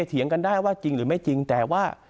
เถียงกันได้ว่าจริงหรือไม่จริงแต่ว่า